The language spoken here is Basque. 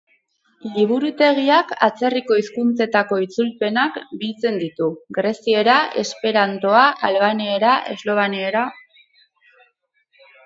Liburutegiak atzerriko hizkuntzetako itzulpenak biltzen ditu: greziera, esperantoa, albaniera, esloveniera.